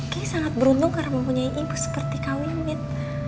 kay sangat beruntung karena mempunyai ibu seperti kawin mit